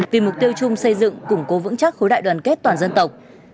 vì mục tiêu chung xây dựng củng cố vững chắc khối đại đoàn kết toàn dân tộc